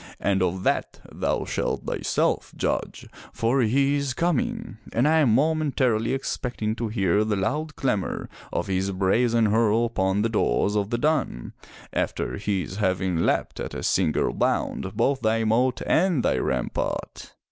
And of that thou shalt thyself judge, for he is coming and I am momentarily expecting to hear the loud clamor of his brazen hurle upon the doors of the dun after his having leapt at a single bound both thy moat and thy rampart!"